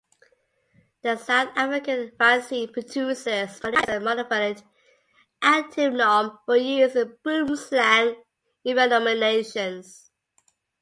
The South African Vaccine Producers manufactures a monovalent antivenom for use in boomslang envenomations.